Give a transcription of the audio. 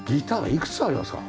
いくつありますか？